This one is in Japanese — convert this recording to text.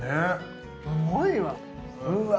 すごいわねっうわ